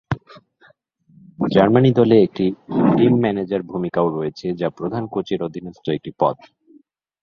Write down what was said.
Germany দলে একটি team manager ভূমিকাও রয়েছে, যা প্রধান কোচের অধীনস্থ একটি পদ।